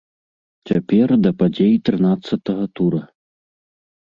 Цяпер да падзей трынаццатага тура!